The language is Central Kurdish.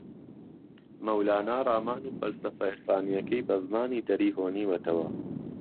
مەولانا، رامان و فەلسەفە عیرفانیەکەی بە زمانی دەری ھۆنیوەتەوە